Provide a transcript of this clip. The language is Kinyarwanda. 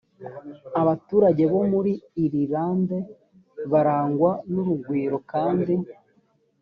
abaturage bo muri irilande barangwa n urugwiro kandi